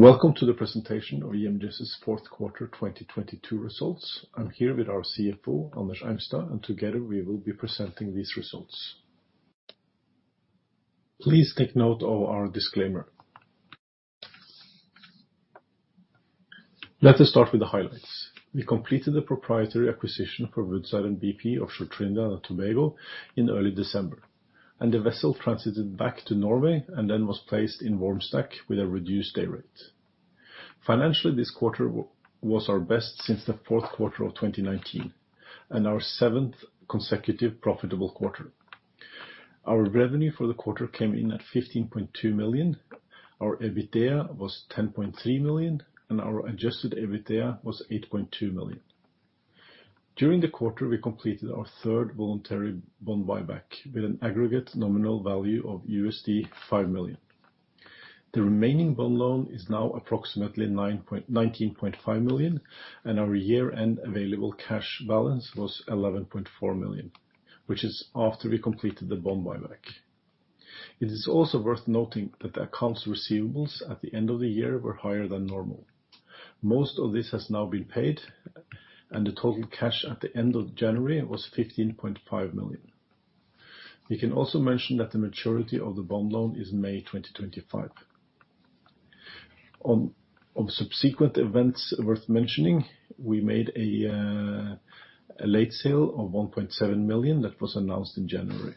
Welcome to the presentation of EMGS's fourth quarter 2022 results. I'm here with our CFO, Anders Eimstad, and together we will be presenting these results. Please take note of our disclaimer. Let us start with the highlights. We completed the proprietary acquisition for Woodside and BP of Trinidad and Tobago in early December, and the vessel transited back to Norway, and then was placed in warm stack with a reduced day rate. Financially, this quarter was our best since the fourth quarter of 2019, and our seventh consecutive profitable quarter. Our revenue for the quarter came in at $15.2 million. Our EBITDA was $10.3 million, and our adjusted EBITDA was $8.2 million. During the quarter, we completed our third voluntary bond buyback with an aggregate nominal value of USD 5 million. The remaining bond loan is now approximately $19.5 million, and our year-end available cash balance was $11.4 million, which is after we completed the bond buyback. It is also worth noting that the accounts receivables at the end of the year were higher than normal. Most of this has now been paid, and the total cash at the end of January was $15.5 million. We can also mention that the maturity of the bond loan is May 2025. On subsequent events worth mentioning, we made a late sale of $1.7 million that was announced in January.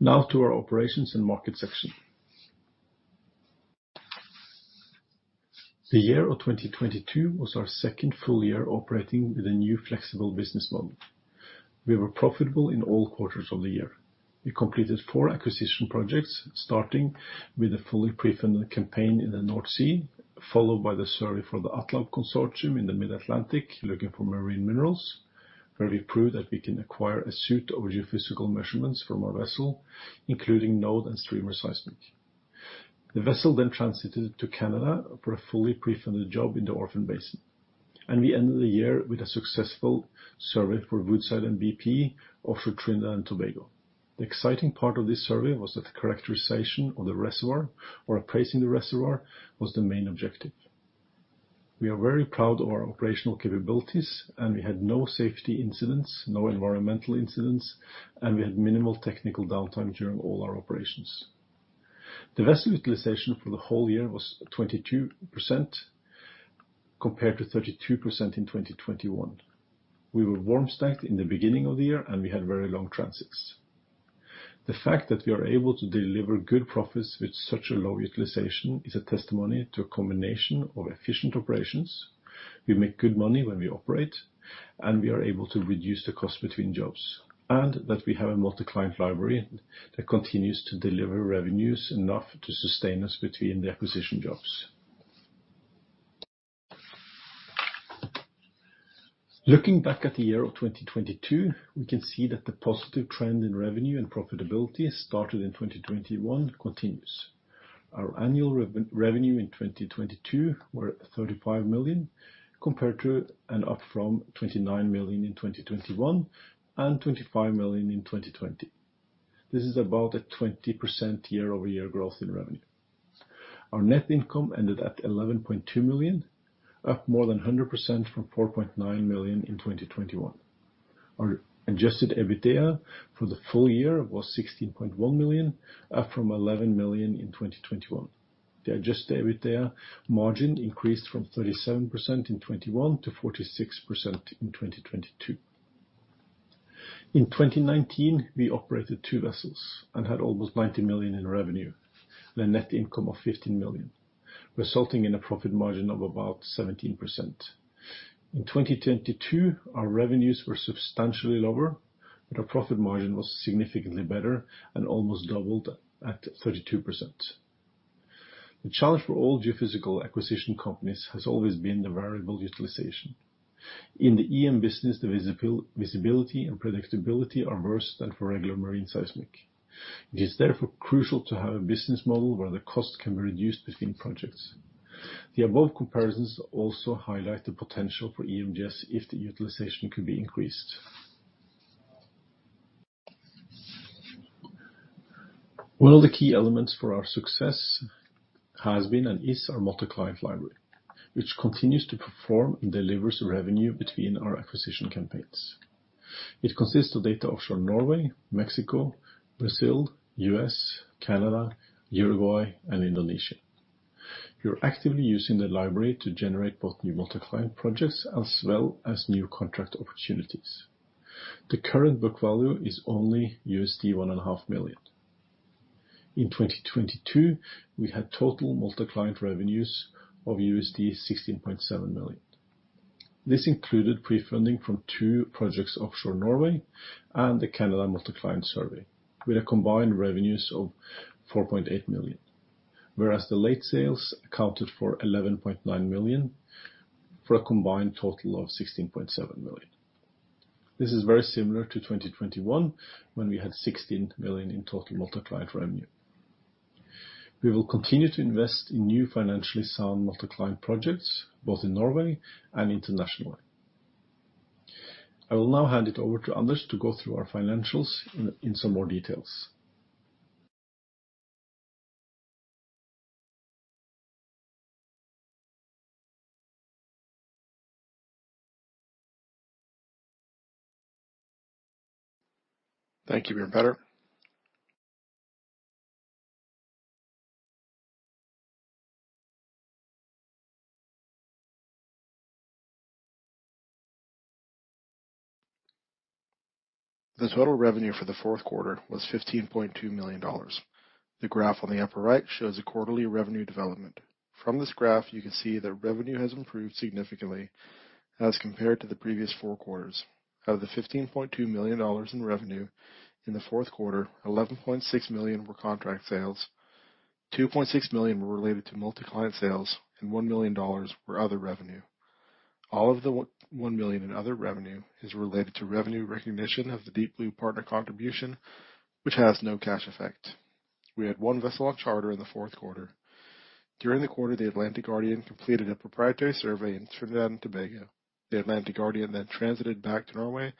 Now to our operations and market section. The year of 2022 was our second full year operating with a new flexible business model. We were profitable in all quarters of the year. We completed four acquisition projects, starting with a fully pre-funded campaign in the North Sea, followed by the survey for the Ardent in the Mid-Atlantic looking for marine minerals, where we proved that we can acquire a suite of geophysical measurements from our vessel, including node and streamer seismic. The vessel then transited to Canada for a fully pre-funded job in the Orphan Basin. We ended the year with a successful survey for Woodside and BP off Trinidad and Tobago. The exciting part of this survey was that the characterization of the reservoir or appraising the reservoir was the main objective. We are very proud of our operational capabilities, and we had no safety incidents, no environmental incidents, and we had minimal technical downtime during all our operations. The vessel utilization for the whole year was 22%, compared to 32% in 2021. We were warm stacked in the beginning of the year. We had very long transits. The fact that we are able to deliver good profits with such a low utilization is a testimony to a combination of efficient operations. We make good money when we operate, and we are able to reduce the cost between jobs, and that we have a multi client library that continues to deliver revenues enough to sustain us between the acquisition jobs. Looking back at the year of 2022, we can see that the positive trend in revenue and profitability started in 2021 continues. Our annual revenue in 2022 were $35 million, compared to and up from $29 million in 2021 and $25 million in 2020. This is about a 20% year-over-year growth in revenue. Our net income ended at $11.2 million, up more than 100% from $4.9 million in 2021. Our adjusted EBITDA for the full year was $16.1 million, up from $11 million in 2021. The adjusted EBITDA margin increased from 37% in 2021 to 46% in 2022. In 2019, we operated two vessels and had almost $90 million in revenue and a net income of $15 million, resulting in a profit margin of about 17%. In 2022, our revenues were substantially lower, our profit margin was significantly better and almost doubled at 32%. The challenge for all geophysical acquisition companies has always been the variable utilization. In the EM business, the visibility and predictability are worse than for regular marine seismic. It is therefore crucial to have a business model where the cost can be reduced between projects. The above comparisons also highlight the potential for EMGS if the utilization can be increased. One of the key elements for our success has been and is our multi-client library, which continues to perform and delivers revenue between our acquisition campaigns. It consists of data offshore Norway, Mexico, Brazil, U.S., Canada, Uruguay and Indonesia. We are actively using the library to generate both new multi-client projects as well as new contract opportunities. The current book value is only USD one and a half million. In 2022, we had total multi-client revenues of $16.7 million. This included pre-funding from two projects offshore Norway and the Canada multi client survey with a combined revenues of $4.8 million. The late sales accounted for $11.9 million for a combined total of $16.7 million. This is very similar to 2021 when we had $16 million in total multi client revenue. We will continue to invest in new financially sound multi-client projects, both in Norway and internationally. I will now hand it over to Anders to go through our financials in some more details. Thank you, Bjørn Petter. The total revenue for the fourth quarter was $15.2 million. The graph on the upper right shows a quarterly revenue development. From this graph, you can see that revenue has improved significantly as compared to the previous four quarters. Out of the $15.2 million in revenue in the fourth quarter, $11.6 million were contract sales, $2.6 million were related to multi client sales, and $1 million were other revenue. All of the $1 million in other revenue is related to revenue recognition of the DeepBlue partner contribution, which has no cash effect. We had one vessel on charter in the fourth quarter. During the quarter, the Atlantic Guardian completed a proprietary survey in Trinidad and Tobago. The Atlantic Guardian transited back to Norway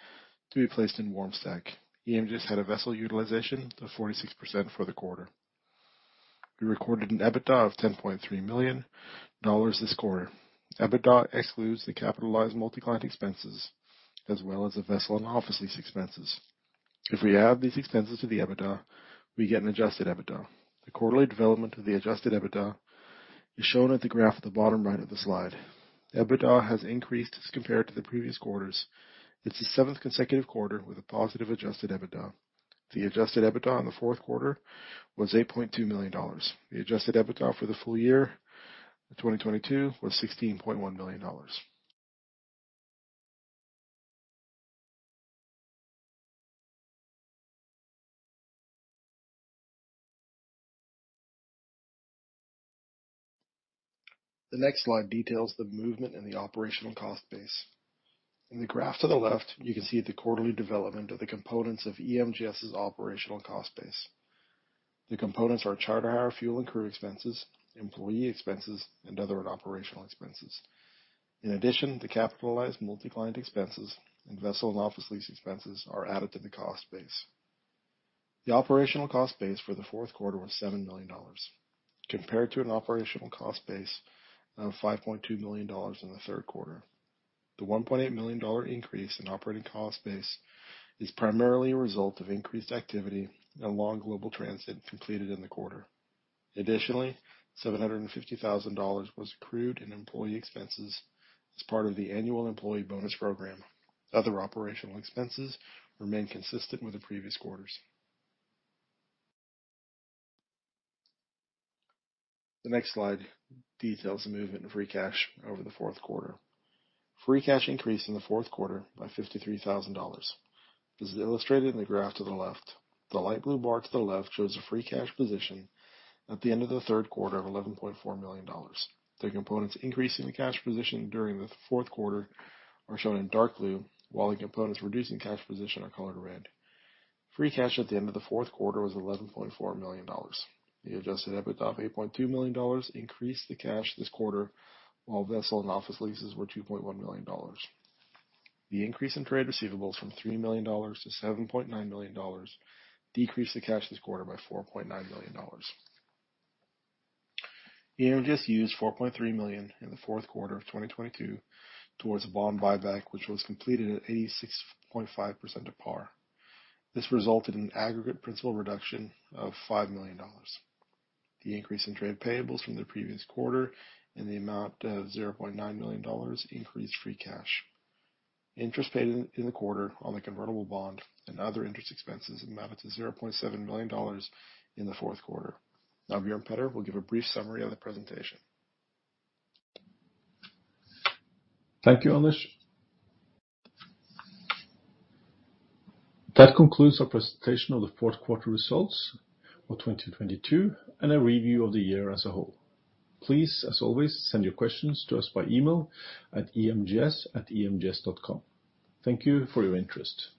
to be placed in warm stack. EMGS had a vessel utilization of 46% for the quarter. We recorded an EBITDA of $10.3 million this quarter. EBITDA excludes the capitalized multi-client expenses as well as the vessel and office lease expenses. If we add these expenses to the EBITDA, we get an adjusted EBITDA. The quarterly development of the adjusted EBITDA is shown at the graph at the bottom right of the slide. EBITDA has increased as compared to the previous quarters. It's the seventh consecutive quarter with a positive adjusted EBITDA. The adjusted EBITDA in the fourth quarter was $8.2 million. The adjusted EBITDA for the full year 2022 was $16.1 million. The next slide details the movement in the operational cost base. In the graph to the left, you can see the quarterly development of the components of EMGS's operational cost base. The components are charter hire, fuel and crew expenses, employee expenses, and other operational expenses. In addition, the capitalized multi-client expenses and vessel and office lease expenses are added to the cost base. The operational cost base for the fourth quarter was $7 million compared to an operational cost base of $5.2 million in the third quarter. The $1.8 million increase in operating cost base is primarily a result of increased activity and a long global transit completed in the quarter. Additionally, $750,000 was accrued in employee expenses as part of the annual employee bonus program. Other operational expenses remain consistent with the previous quarters. The next slide details the movement of free cash over the fourth quarter. Free cash increased in the fourth quarter by $53,000. This is illustrated in the graph to the left. The light blue bar to the left shows a free cash position at the end of the third quarter of $11.4 million. The components increasing the cash position during the fourth quarter are shown in dark blue, while the components reducing cash position are colored red. Free cash at the end of the fourth quarter was $11.4 million. The adjusted EBITDA of $8.2 million increased the cash this quarter, while vessel and office leases were $2.1 million. The increase in trade receivables from $3 million-$7.9 million decreased the cash this quarter by $4.9 million. EMGS used $4.3 million in the fourth quarter of 2022 towards a bond buyback which was completed at 86.5% of par. This resulted in aggregate principal reduction of $5 million. The increase in trade payables from the previous quarter in the amount of $0.9 million increased free cash. Interest paid in the quarter on the convertible bond and other interest expenses amounted to $0.7 million in the fourth quarter. Now Bjørn Petter will give a brief summary of the presentation. Thank you, Anders. That concludes our presentation of the fourth quarter results for 2022 and a review of the year as a whole. Please, as always, send your questions to us by email at emgs@emgs.com. Thank you for your interest.